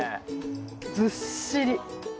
ずっしり。